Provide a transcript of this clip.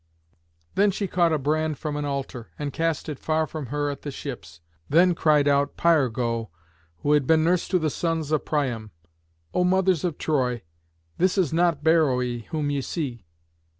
Then she caught a brand from an altar, and cast it far from her at the ships. Then cried out Pyrgo, who had been nurse to the sons of Priam, "O mothers of Troy, this is not Beroé whom ye see.